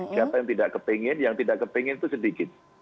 siapa yang tidak kepingin yang tidak kepingin itu sedikit